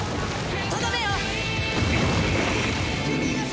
とどめよ！